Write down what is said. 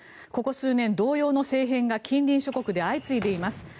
ここ数年、同様の政変が近隣諸国で相次いでいます。